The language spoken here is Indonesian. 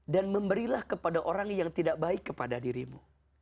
dan memberilah kepada orang yang tidak baik kepada dirimu